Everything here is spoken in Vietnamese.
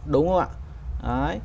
đúng không ạ